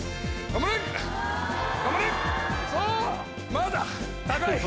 まだ高い。